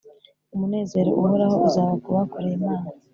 Umunezero uhoraho uzaba ku bakoreye Imana